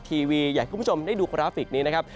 กดไทยและอยากท่อง่ายคุณผู้ชมได้ดูกราฟิกนี้นะครับ